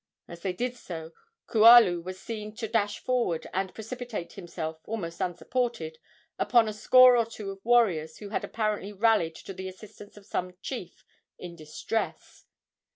As they did so Kualu was seen to dash forward and precipitate himself, almost unsupported, upon a score or two of warriors who had apparently rallied to the assistance of some chief in distress.